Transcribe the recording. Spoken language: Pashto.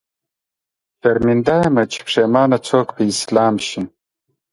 شرمنده يم، چې پښېمان څوک په اسلام شي